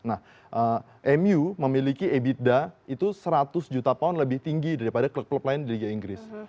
nah mu memiliki ebitda itu seratus juta pound lebih tinggi daripada klub klub lain di liga inggris